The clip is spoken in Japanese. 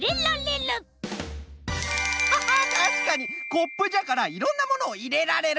コップじゃからいろんなものをいれられる。